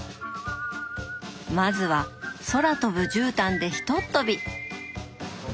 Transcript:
まずは空飛ぶじゅうたんでひとっ飛び。